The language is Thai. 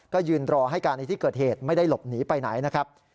ก็ยืนรอให้การในที่เกิดเหตุไม่ได้หลบหนีไปไหนนะครับ